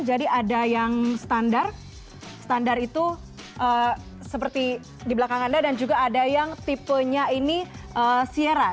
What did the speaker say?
ada yang standar standar itu seperti di belakang anda dan juga ada yang tipenya ini siera